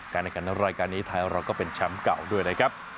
ในการรายการนี้ไทยเราก็เป็นแชมป์เก่าด้วยนะครับ